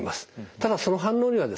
ただその反応にはですね